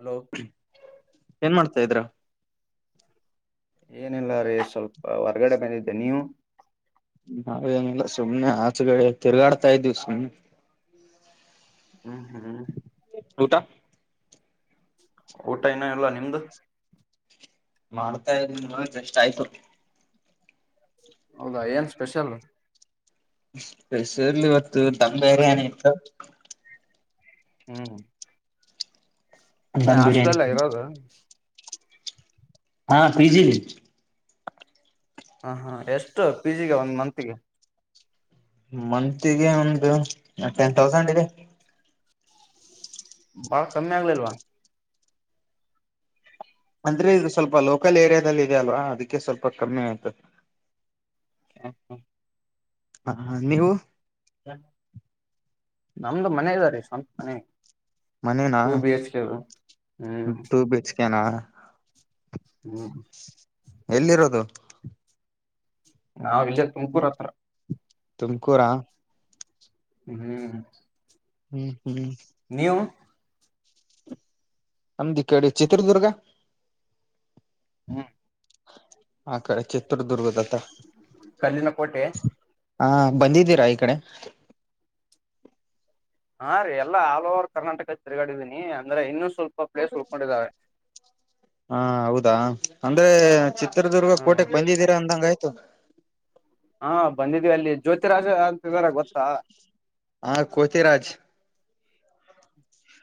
Hello ಏನ್ ಮಾಡ್ತಾ ಇದ್ರಾ. ಏನಿಲ್ಲ -ರೀ- ಸ್ವಲ್ಪ ಹೊರ್ಗಡೆ ಬಂದಿದ್ದೆ ನೀವು. ನಾವೇಏನಿಲ್ಲ ಸುಮ್ನೆ ಆಚುಗ ತಿರುಗಾಡ್ತಾ ಇದ್ದೀವಿ ಸುಮ್ಮನೆ. ಹ್ಮ್ -ಹ್ಮ್ ಊಟಾ ಊಟ ಇನ್ನೂ ಎಲ್ಲ ನಿಮ್ಮದು. ಮಾಡ್ತಾ ಇದಿ ಜಷ್ಟ ಆಯ್ತು. ಹೌದಾ ಏನ್ ಸ್ಪೆಷಲ್. ಸ್ಪೆಷಲ್ ಇವತ್ತು ದಮ್ ಬಿರಯಾನಿ ಇತ್ತು. ಹ್ಮ್- ದಮ್ ಬಿರಿಯಾನಿ ಹಾಸ್ಲಲ್ಲ ಇರೋದು ಹಾ -ಪಿಜಿ -ರ ಹ -ಹಾ -ಎಷ್ಟು -ಪಿ -ಜಿ-ಗೆ ಒಂದ್ ಮಂನ್ತೀಗೆ. ಮತ್ಗೆ ಒಂದು ಟೆನ್ ತೌಸಂಡ್ ಇದೆ ಬಾಳ ಕಮ್ಮಿ ಆಗ್ಲಿಲ್ವಾ ಅಂದ್ರೆ ಇದು ಸ್ವಲ್ಪ ಲೋಕಲ್ ಏರಿಯಾದಲ್ಲಿ ಇದೆ ಅಲ್ವಾ ಅದಕ್ಕೆ ಸ್ವಲ್ಪ ಕಮ್ಮಿ ಆಯ್ತದೆ ಹಹ್ಮ್ ಹ್ಮ್ ಹ ನೀವು ನಮ್ದು ಮನೆ ಇದ್ದೀರಿ ಸ್ವಂತ ಮನೆ ಮನೇನ ಟೂ ಬಿ ಎಚ್ ಕೆ ಹ್ಮ್ ಟೂ ಬಿ ಹೆಚ್ ಕೆನಾ ಹ್ಮ ಎಲ್ಲಿರೋದು ನಾವ್ ವಿಜಯ ತುಮಕೂರ್ ಹತ್ರ ತುಮಕೂರ ಹಾ ಹ್ಮ್ ಹ್ಮ್ ಹ್ಮ್ ನೀವು ನಮ್ದಿ ಈಕಡೆ ಚಿತ್ರದುರ್ಗ ಹ್ಮ್ ಆಕಡೆ ಚತ್ರರ್ದುರ್ಗದತ್ತ ಕಲ್ಲಿನ ಕೋಟೆ ಹಾ ಬಂದಿದ್ದೀರಾ ಈ ಕಡೆ ಹಾ ರೀ ಎಲ್ಲಾ ಆಲ್ ಓವರ್ ಕರ್ನಾಟಕ ತಿರ್ಗಡಿದೀನಿ ಅಂದ್ರೆ ಇನ್ನು ಹಾ ಹೌದಾ ಅಂದ್ರೆ ಚಿತ್ರದುರ್ಗ ಹ್ಮ್ ಕೋಟೆಗೆ ಬಂದಿದ್ದೀರಾ ಅಂದಂಗ ಆಯ್ತು ಹಾ ಬಂದಿದವಿ ಅಲ್ಲಿ ಜ್ಯೋತಿ ರಾಜ್ ಅಂತಿದಾರೇ ಗೊತ್ತಾ ಹ ಕೋತಿರಾಜ್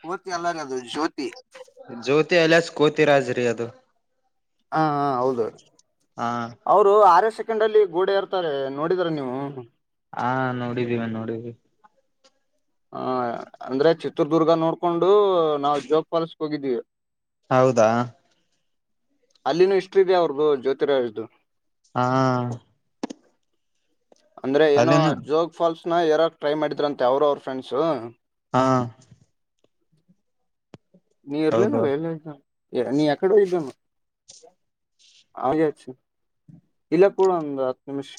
ಕೋತಿ ಅಲ್ಲಲ್ರಿ ಅದು ಜ್ಯೋತಿ ಕೋತಿ ಅಲಿಯಾಸ್ ಕೋತಿರ್ರಿ ಅದು ಹಾ ಹ ಹೌದು ಹಾ ಅವರು ಆರೇ ಸೆಕೆಂಡ್ ಅಲ್ಲಿ ಗೋಡೆ ಇರ್ತಾರೆ ನೋಡಿದ್ರರಾ ನೀವು ಹಾ ನೋಡಿದೀವಿ ನೋಡಿದ್ವಿ ಹ ಅಂದ್ರೆ ಚಿತ್ರದುರ್ಗ ನೋಡ್ಕೊಂಡು ನಾವು ಜೋಗ್ ಫಾಲ್ಸ್ ಹೋಗಿದ್ದೀವಿ ಹೌದಾ ಅಲ್ಲಿನ ಹಿಸ್ಟ್ರಿ ಇದೆ ಅವ್ರದ್ದು ಜ್ಯೋತಿರಾಜ್ದು ಹಾ ಅಂದ್ರೆ ಏನೋ ಅಲ್ಲಿನ ಜೋಗ್ ಫಾಲ್ಸ್ನ ಏರೋಕೆ ಟ್ರೈ ಮಾಡಿದ್ರಂತೆ ಅವರು ಅವ್ರ ಫ್ರೆಂಡ್ಸ ಹಾ ನೀ ಹೌದು ಇರ್ಲಿಲ್ಲ ಎಲ್ಲ ನೀ ಯಾಕಡೆ ಹೋಗಿದೆ ಆಮೇಲೆ ಹಚ್ಚು ಇಲ್ಲೇ ಕುರು ಹತ್ತು ನಿಮಿಷ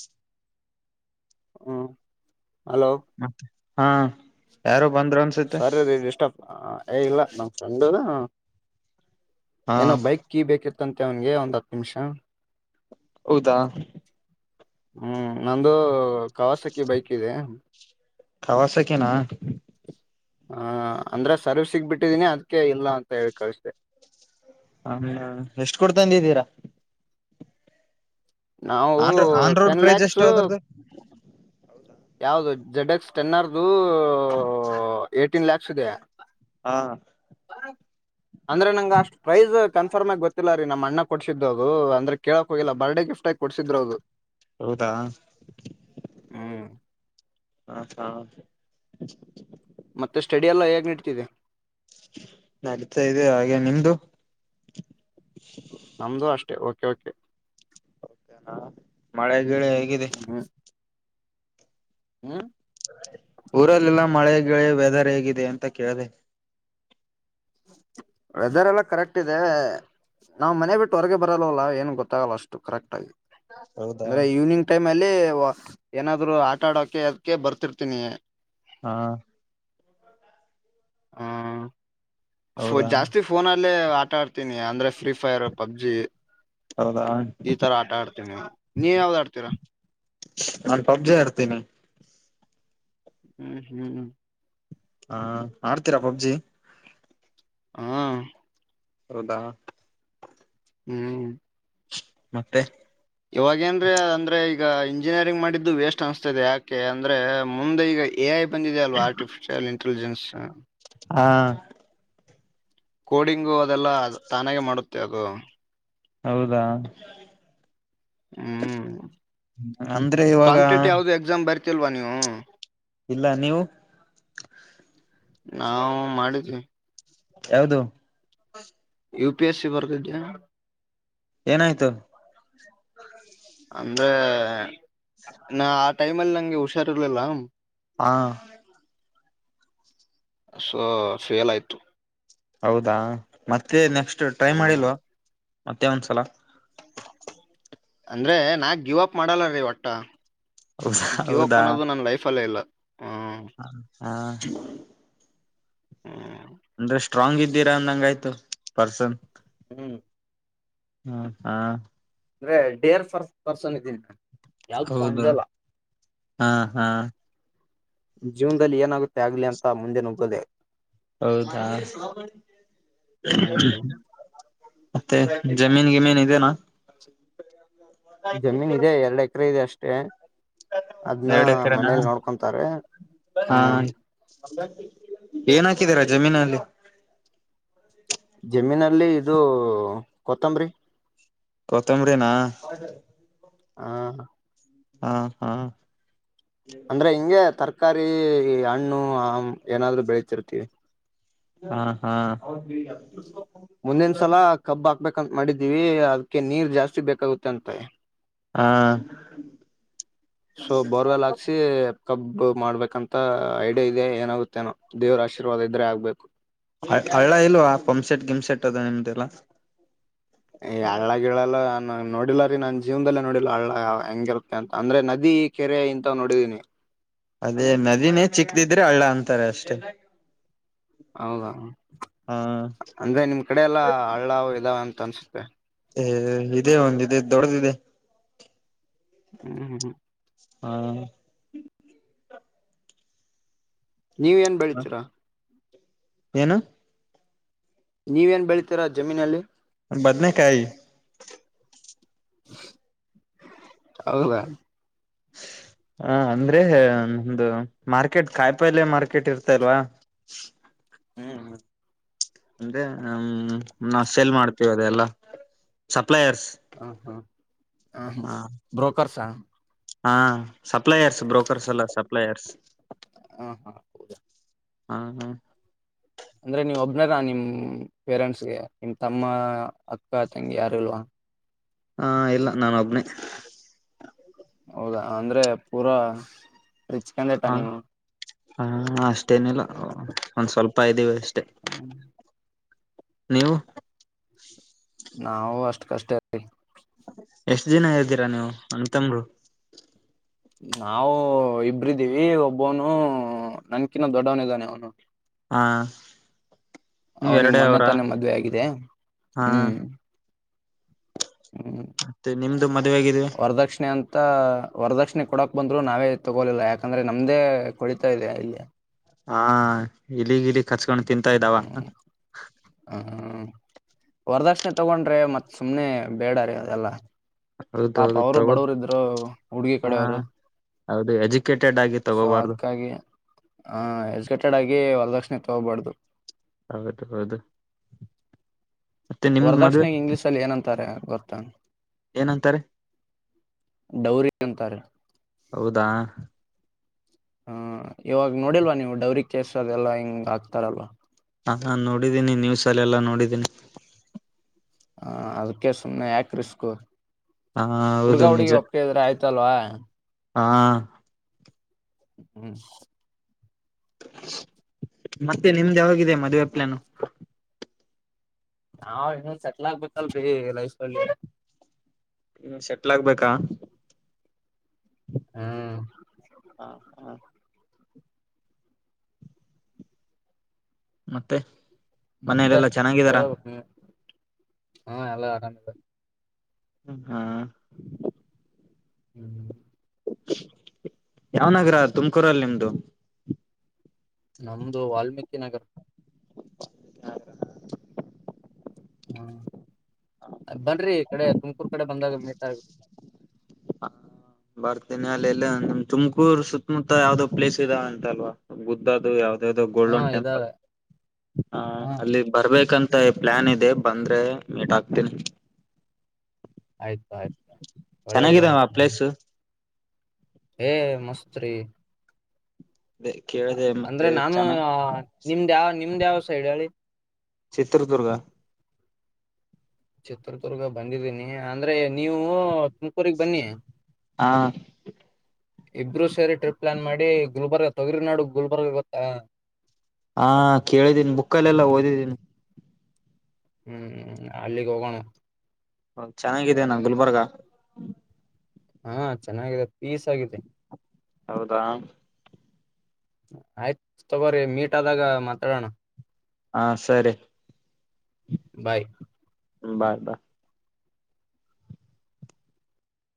ಹ್ಮ್ ಹಲೋ ಮತ್ತೆ ಹಾ ಯಾರು ಬಂದರು ಅನ್ನಿಸುತ್ತೆ ಹ ಇಲ್ಲ ನಮ್ ಫ್ರೆಂಡ್ ಹಾ ಏನೋ ಬೈಕ್ ಕೀ ಬೇಕಿತ್ತು ಹತ್ತಂತೆ ಅವನ್ಗೆ ಒಂದ್ ಹತ್ತು ನಿಮಿಷ ಹೌದಾ ಹ್ಮ್ ನಂದು ಕವಾಸಕಿ ಬೈಕ್ ಇದೆ ತವರ್ಸಾಕಿನ ಹ ಅಂದ್ರೆ ಸರ್ವಿಸಗೆ ಬಿಟ್ಟಿದೀನಿ ಅದಕ್ಕೆ ಇಲ್ಲ ಅಂತ ಹೇಳಿ ಕಳಿಸಿದೆ ಹ ಎಷ್ಟ್ ಕೊಟ್ಟು ತಂದಿದೀರ ನಾವು on on road ten price ಎಷ್ಟು ಲ್ಯಾಕ್ಸು ಅದ್ರದ್ದು ಯಾವ್ದ ಜೆಡಿಕ್ಸ್ ಟೆನ್ ಆ [unintelligible] ಫಿಫ್ಟಿಟೀನ್ ಲಾಕ್ಸ್ ಇದೆ ಹಾ ಅಂದ್ರೆ ನಂಗಗ ಅಷ್ಟ್ ಪ್ರೈಸ್ ಕನ್ಫರ್ಮ್ ಆಗಿ ಗೊತ್ತ ಗೊತ್ತಿಲ್ಲ ರೀ ನಮ್ಮಣ್ಣ ಕೊಡಿಸಿದ್ದು ಅದು ಅಂದ್ರೆ ಕೇಳಕ್ ಹೋಗಿಲ್ಲ ಬರ್ಡಡೆ ಗಿಫ್ಟ ಆಗಿ ಕೊಡ್ಸಿದ್ರು ಅದು. ಹೌದಾ ಹ್ಮ್. [unintelligible] ಮತ್ತೆ ಸ್ಟಡಿ ಎಲ್ಲ ಹೇಗ್ ನಡ್ತಿದೆ. ನಡೀತಾ ಇದೆ ಹಾಗೆ ನಿಮ್ದು. ನಮ್ದು ಅಷ್ಟೆ ಓಕೆ ಓಕೆ. ನಾ ಮಳೆ ಗೀಳೆ ಹೇಗಿದೆ. ಹ್ಮ. ಊರಲ್ಲೆಲ್ಲ ಮಳೆೆ ಗಿಳೆ ವೆದರ್ ಹೇಗಿದೆ ಅಂತ ಕೇಳಿದೆ. ವೆದರ್ ಎಲ್ಲ ಕರೆಕ್ಟ್ ಇದೆ. ನಾವ್ ಮನೆ ಬಿಟ್ಟು ಹೊರಗೆ ಬರಲ್ಲವಲ್ಲ ಏನ್ ಗೊತ್ತಾಗಲ್ಲ ಅಷ್ಟು ಕರೆಕ್ಟ್ ಆಗಿ ಹೌದಾ ಅಂದ್ರೆ ಈವ್ನಿಂಗ್ ಟೈಮ್ ಮಲ್ಲಿ ಏನಾದ್ರು ಆಟ ಆಡಕೆ ಅದಕ್ಕೆ ಬರ್ತಿರ್ತೀನಿ. ಹಾ. ಹೋ ಪೊ ಹೌದಾ ಜಾಸ್ತಿ ಫೋನ್ ಆದ ಲ್ಲೇ ಆಟ ಆಡ್ತೀನಿ ಅಂದ್ರೆ ಫ್ರೀ ಫೈರ್ ಪಬ್ಜಿ. ಹೌದಾ ಈ ತರ ಆಟ ಆಡ್ತೀನಿ ನೀವ ಯಾವ್ದ ಆಡ್ತೀರಾ. ನಾನು ಪಬ್ಜಿ ಆಡ್ತೀನಿ. ಹ್ಮ್ ಹ್ಮ್. ಹಾ ಆಡ್ತೀರಾ ಪಬ್ಜಿ. ಹಾ. ಹೌದಾ. ಹ್ಮ್. ಮತ್ತೆ. ಇವಗೇನ್ರಿ ಅಂದ್ರೆ ಈಗ್ ಈಗ ಇಂಜಿನಿಯರಿಂಗ್ ಮಾಡಿದ್ದು ವೇಸ್ಟ್ ಅನ್ಸ್ತದೆ ಯಾಕೆ ಅಂದ್ರೆ ಮುಂದೆ ಈಗ ಎ ಐ ಬಂದಿದೆ ಅಲ್ವಾ ಆರ್ಟಿಫಿಷಿಯಲ್ ಇಂಟೆಲಿಜೆನ್ಸ್. ಹಾ. ಕೋಡಿಂಗು ಅದೆಲ್ಲ ತಾನಾಗೆ ಮಾಡುತ್ತೆ ಅದು. ಹೌದಾ. ಹ್ಮ್ ಅಂದ್ರೆ ಇವಾಗ ಕಾಂಪಿಟೇಟಿವ್ ಯಾವ್ದು ಎಕ್ಸಾಮ್ ಬರ್ತಿಲ್ವಾ ನೀವು. ಇಲ್ಲ ನೀವು. ನಾವು ಮಾಡಿದ್ವಿ. ಯಾವದು. ಯು ಪಿ ಎಸ್ ಸಿ ಬರದಿದ್ದೆ. ಏನ ಆಯ್ತು. ಅಂದ್ರೆ ನ ಆ ಟೈಮಲ್ಲಿ ನಂಗೆ ಹುಷಾರ್ರ್ಲಿಲ್ಲ. ಹಾ. ಸೊ ಫೇಲ್ ಆಯ್ತು. ಹೌದಾ ಮತ್ತೆ ನೆಕ್ಸ್ಟ್ ಟ್ರೈ ಹ್ಮ್ ಮಾಡಿಲ್ವಾ. ಮತ್ತೆ ಒಂದ್ಸಲ. ಅಂದ್ರೆ ನಾ ಗಿವ್ ಅಪ್ ಮಾಡಲ್ಲ ರೀ ಒಟ್ಟ ಹೌದಾ ಗಿವ್ ಅಪ್ ಅನ್ನೋದು ನನ್ ಲೈಫ್ ಅಲ್ಲೇ ಇಲ್ಲ. ಹ್ಮ್ ಹ ಹಾ. ಹ್ಮ. ಅಂದ್ರೆ ಸ್ಟ್ರಾಂಗ್ ಇದ್ದೀರಾ ಅಂದಂಗಯ್ತು ಪರ್ಸನ್. ಹ್ಮ್. ಹ್ಮ ಹಾ. ಅಂದ್ರೆ ಡೇರ್ ಫರ್ ಪರ್ಸನ್ ಇದೀನ. ಹೌದ ಹಾ ಹಾ. ಜೀವನ್ದಲ್ಲಿ ಏನಾಗುತ್ತೆ ಆಗ್ಲಿ ಅಂತ ಮುಂದೆ ನುಗ್ಗೋದೆ. ಹೌದಾ. ಹ್ಮ್ ಮತ್ತೆ ಜಮೀನ್ ಗಿಮೀನ್ ಇದೆನಾ. ಜಮೀನ್ ಇದೆ ಎರಡ್ ಎಕರೆ ಇದೆ ಅಷ್ಟೇ. ಅದ್ನ್ನ ಎರಡು ಎಕರೆನಾ ಮನೇಲಿ ನೋಡ್ಕೊಂತಾರೆ ಹಾ ಹ್ಮ. ಏನ್ ಹಾಕಿದೀರಾ ಜಮೀನಲ್ಲಿ. ಜಮೀನಲ್ಲಿ ಇದು ಕೊತ್ತಂಬ್ರಿ. ಕೊತ್ತಂಬರಿನ. ಹಾ. ಹಾ ಹಾ. ಅಂದ್ರೆ ಹಿಂಂಗಗೆ ತರಕಾರಿ, ಹಣ್ಣು ಆಮ ಏನಾದ್ರು ಬೆಳಿತಿರ್ತೀವಿ. ಹಾ ಹಾ. ಮುಂದಿನ ಸಲ ಕಬ್ ಹಾಕ್ಬೇಕಂತ ಮಾಡಿದೀವಿ ಅದಕ್ಕೆ ನೀರ್ ಜಾಸ್ತಿ ಬೇಕಾಗುತ್ತೆ ಅಂತೆ. ಹಾ. ಸೋ ಬೋರ್ವೆಲ್ ಹಾಕಿಸಿ. ಕಬ್ ಮಾಡ್ಬೇಕಂತ ಐಡಿಯಾ ಇದೆ ಏನಾಗುತ್ತೇನೋ ದೇವ್ರ ಆಶೀರ್ವಾದ ಇದ್ರೆ ಆಗ್ಬೇಕು. ಹ ಹಳ್ಳ ಇಲ್ವಾ ಪಂಪ್ಸೆಟ್ ಗಿಮಸೆಟ್ ಅದ ನಿಮ್ದಲ್ಲ. ಹಳ್ಳ ಗಿಲ್ಲಯಲ್ಲಾ. ನ ನೋಡಿಲ್ಲ ರೀ ನನ್ ಜೀವನದಲ್ಲೇ ನೋಡಿಲ್ಲ ಹಳ್ಳ ಹೆಂಗಿರುತ್ತೆ ಅಂತ ಅಂದ್ರೆ ನದಿ ಕೆರೆ ಇಂತ ನೋಡಿದೀನಿ. ಅದೇ ನದಿನೇ ಚಿಕ್ಕದಿದ್ರೆ ಹಳ್ಳ ಅಂತಾರೆ ಅಷ್ಟೆ. ಹೌದಾ ಅಂದ್ರೆ ನಿಮ್ ಕಡೆ ಎಲ್ಲ ಹಳ್ಳ ಇದಾವ ಅಂತ ಅನ್ಸುತ್ತೆ. ಏ ಇದೇ ಒಂದ ಇದೆ ದೊಡ್ಡದಿದೆ. ಹ್ಮ್ ಹ್ಮ್ ಹ್ಮ್. ಹಾ. ನೀವ ಏನ್ ಬೆಳಿತೀರಾ. ಏನು. ನೀವೇನ್ ಬೆಳಿತೀರಾ ಜಮೀನಲ್ಲಿ. ಬದನೆಕಾಯಿ. ಹೌದ. ಹ ಅಂದ್ರೆ ನಮ್ದು ಮಾರ್ಕೆಟ್ ಕಾಯಿಪಲ್ಯ ಮಾರ್ಕೆಟ್ ಇರ್ತಲ್ವಾ. ಹ್ಮ್ ಹ್ಮ್. ಅಂದ್ರೆ ಹ್ಮ ನಾವವು ಸೇಲ್ ಮಾಡ್ತೇವಿ ಅದೆಲ್ಲಾ. ಹ ಹಾ ಹ ಬ್ರೋಕರ್ಸಾ. ಹಾ ಸಪ್ಲೈಯರ್ಸ್ ಬ್ರೋಕರ್ಸ್ ಎಲ್ಲ ಸಪ್ಲೈಯರ್ಸ್. ಹಾ ಹಾ ಹೌದಾ. ಹ್ಮ ಹಾ. ಅಂದ್ರೆ ನೀವ್ ಒಬ್ನಾರ ನಿಮ್ ಪೇರೆಂಟ್ಸ್ಗೆ ನಿಮ ತಮ್ಮ ಅಕ್ಕ ತಂಗಿ ಯಾರು ಇಲ್ವಾ. ಹಾ ಇಲ್ಲ ನಾನ ಒಬ್ನೇ. ಹೌದಾ ಅಂದ್ರೆ ಪೂರಾ ರಿಚ್ ಕ್ಯಾಂಡಿಡೇಟ್ಟ ನೀವು. ಹಾ ಅಷ್ಟೇನಿಲ್ಲ ಒಂದ್ ಸ್ವಲ್ಪ ಇದ್ದೀವಿ ಅಷ್ಟೆ. ನೀವು. ನಾವವು ಅಷ್ಟ್ ಕಷ್ಟ ರಿ. ಎಷ್ಟ್ ದಿನ ಹ್ದೀರಾ ನೀವು ಅಣ್ತಮ್ಮರು. ನಾವವು ಇಬ್ರಿದ್ದೀವಿ ಒಬ್ಬವನು ನನ್ಕಿನ್ನ ದೊಡ್ಡವನ ಇದಾನೆ ಅವನು. ಹಾ. ನೀವ್ ಅವನಿಗೆ ಎರಡೇ ಮೊನ್ನೆ ಅವ್ರ ತಾನೆ ಮದ್ವೆ ಆಗಿದೆ ಹಾ ಹ್ಮ್. ಹ್ಮ್ ಮತ್ತೆ ನಿಮ್ದು ಮದ್ವೆ ಗಿಡವೆ. ತ್ತ ವರದಕ್ಷಿಣೆ ಕೊಡಕ್ ಬಂದ್ರು ನಾವೇ ತಗೋಲಿಲ್ಲ ಯಾಕಂದ್ರೆ ನಮ್ದೇ ಕೋಳಿತ ಇದೆ ಇಲ್ಲಿ. ಹಾ ಇಲ್ಲಿಗ್ ಇಲ್ಲಿಗ್ ಕಚ್ಕೊಂಡು ತಿಂತಾ ಇದ್ದಾವ. ವರದಕ್ಷಣೆ ತಗೊಂಡ್ರೆ ಮತ್ತ್ ಸುಮ್ನೆ ಬೇಡ ರೀ ಅದೆಲ್ಲ. ಪಾಪ ಹೌದೌದು ಅವರು ತಗೋ ಬಡವರು ಇದ್ರು ಹುಡ್ಗಿ ಹಾ ಕಡೆ ಅವ್ರು. ಹೌದು ಎಜುಕೇಟೆಡ್ ಆಗಿ ತಗೋಬಾರ್ದು ಹ ಎಜುಕೇಟೆಡ್ ಆಗಿ ವರದಕ್ಷಿಣ ತಕೋಬಾರ್ದು ಹೌದು ಹೌದು ಮತ್ತೆ ನಿಮ್ದ್ ಮದ್ವೆ ವರದಕ್ಷಣ ಇಂಗ್ಲೀಷ್ ಅಲ್ಲಿ ಏನಂತಾರೆ ಗೊತ ಏನಂತಾರೆ ಡೌರಿ ಅಂತಾರೆ ಹೌದಾ ಹ್ಮ ಇವಾಗ ನೋಡಿಲ್ವ ನೀವುಡೌರಿ ಕೇಸ್ ಅದೆಲ್ಲಾ ಹಿಂಗ್ ಆಕ್ತಾರಲ್ವಾ ಹ ನಾ ನೋಡಿದ್ದೀನಿ ನ್ಯೂಸ ಅಲ್ಲೆಲ್ಲಾ ನೋಡಿದ್ದೀನಿ ಹಾ ಅದಕ್ಕೆ ಸುಮ್ನೆ ಯಾಕ ರಿಸ್ಕ್ ಹ ಹೌದು ಹುಡ್ಗಾ ಹುಡ್ಗಿ ನಿಜ ಒಪ್ಪಿಕ್ಕೆ ಇದ್ರೆ ಆಯ್ತಲ್ವಾ ಹಾ ಹ್ಮ್ ಮತ್ತೆ ನಿಮ್ದು ಯಾವಾಗಯಿದೆ ಮದುವೆ ಪ್ಲಾನು ನಾವ್ ಇನ್ನು ಸೆಟ್ಲ್ ಆಗ್ಬೇಕಲ್ರಿ ಲೈಫ್ ಅಲ್ಲಿ ಹ್ಮ ಸೆಟ್ಲ್ ಹಾಗಬೇಕಾ ಹ್ಮ್ ಹ ಮತ್ತೆ ಮತ್ತೆ ಮನೇಲೆಲ್ಲಾ ಚೆನ್ನಾಗಿದಾರ ಹೇಬೇಕು ನೀನೇ ಎಲ್ಲ ಆರಾಮ ಹ್ಮ್ [inaudible] ಯಾವ ನಗರ ತುಮಕೂರಲ್ಲಿ ನಿಮ್ದು ನಮ್ದು ವಾಲ್ಮೀಕಿ ನಗರ್ [unintelligible] ಹ್ಮ ಬನ್ರೀ ಈ ಕಡೆ ತುಮಕೂರ್ ಕಡೆ ಬಂದಾಗ ಮೀಟ್ ಹಾಗಿ ಇಲಿಲ್ಲ ನಮ್ ತುಮಕೂರ್ ಸುತ್ತಮುತ್ತ ಯಾವ್ದೋ ಪ್ಲೇಸ್ ಇದೆ ಅಂತ ಅಲ್ವಾ ಗುದ್ದದು ಯಾವ್ದ ಅ ಹಾ ಗೋಲ್ಡನ್ ಟೆಂಪಲ್ ಇದಾವೆ ಹಾ ಅಲ್ಲಿ ಬರ್ಬೇಕಂತ ಅಂತ ಪ್ಲಾನ್ ಇದೆ ಬಂದ್ರೆ ಮೀಟ್ ಆಕ್ತೀನಿ ಆಯ್ತು ಆಯ್ತು ಮನೆಗೆ ಬಾ ಚೆನ್ನಾಗಿದಾವ ಆ ಪ್ಲೇಸ್ ಹ ಮಸ್ತ್ ರಿ ಅದೇ ಕೇಳಿದೆ ಅಂದ್ರೆ ಮತ್ತೆ ನಾನು ಚೆನ್ನಾಗಿ ನಿಮ್ದ ಯಾವ ನಿಮ್ದ ಯಾವ ಸೈಡ್ ಹೇಳಿ ಚಿತ್ರದುರ್ಗ ಚಿತ್ರದುರ್ಗ ಬಂದಿದ್ದೀನಿ ಅಂದ್ರೆ ನೀವು ತುಮಕೂರಿಗೆ ಬನ್ನಿ ಹಾ ಇಬ್ಬರು ಸೇರಿ ಟ್ರಿಪ್ ಪ್ಲಾನ್ ಮಾಡಿ ಗುಲ್ಬರ್ಗ ತೊಗಿರಿ ನಾಡು ಗುಲ್ಬರ್ಗ ಗೊತ್ತಾ ಹಾ ಕೇಳಿದ್ದೀನಿ ಬುಕ್ಕಲ್ಲೆಲ್ಲ ಓದಿದ್ದೀನಿ ಹ್ಮ್ ಅಲ್ಲಿಗೆ ಹೋಗೋಣ ಹ ಚೆನ್ನಾಗಿದೆನಾ ಗುಲ್ಬರ್ಗ ಹಾ ಚೆನ್ನಾಗಿದೆ ಪೀಸ್ ಆಗಿದೆ ಹೌದಾ ಆಯ್ತ್ ತಗೋರಿ ಮೀಟ್ ಆದಾಗ ಮಾತಾಡೋಣ ಹಾ ಸರಿ ಬಾಯ್ ಬೈ ಆಯ್ತಾ